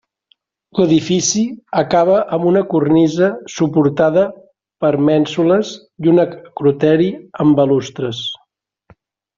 L'edifici acaba amb una cornisa suportada per mènsules i un acroteri amb balustres.